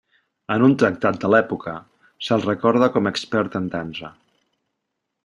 En un tractat de l'època se'l recorda com expert en dansa.